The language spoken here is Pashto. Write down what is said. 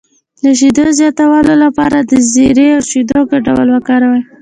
د شیدو زیاتولو لپاره د زیرې او شیدو ګډول وکاروئ